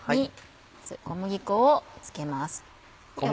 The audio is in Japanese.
小麦粉を付けます。